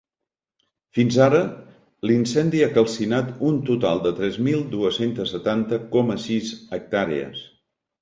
Fins ara, l’incendi ha calcinat un total de tres mil dues-centes setanta coma sis hectàrees.